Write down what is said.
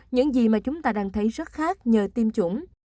những gì mà chúng ta đang thấy rất khác nhờ tiêm chủng